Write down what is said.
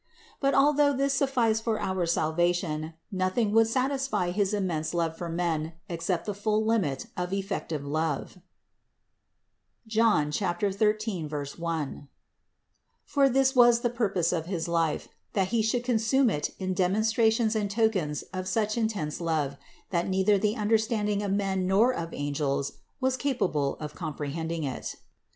But although this sufficed for our salva tion, nothing would satisfy his immense love for men except the full limit of effective love (John 13, 1) ; for 120 CITY OF GOD this was the purpose of his life, that He should consume it in demonstrations and tokens of such intense love, that neither the understanding of men nor of angels was able to comprehend it.